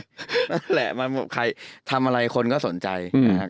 นั่นแหละมันใครทำอะไรคนก็สนใจ